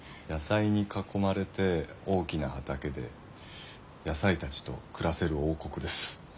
野菜に囲まれて大きな畑で野菜たちと暮らせる王国です。